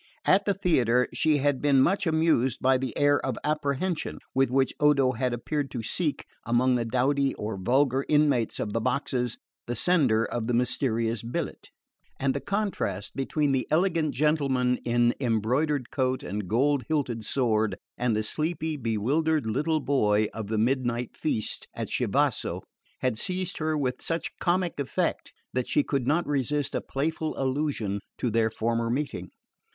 At the theatre she had been much amused by the air of apprehension with which Odo had appeared to seek, among the dowdy or vulgar inmates of the boxes, the sender of the mysterious billet; and the contrast between the elegant gentleman in embroidered coat and gold hilted sword, and the sleepy bewildered little boy of the midnight feast at Chivasso, had seized her with such comic effect that she could not resist a playful allusion to their former meeting.